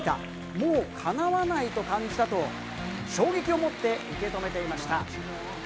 もうかなわないと感じたと、衝撃をもって受け止めていました。